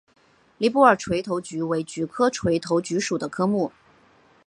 尼泊尔垂头菊为菊科垂头菊属的植物。